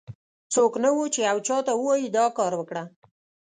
څوک نه و، چې یو چا ته ووایي دا کار وکړه.